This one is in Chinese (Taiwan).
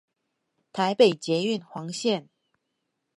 台北捷運黃線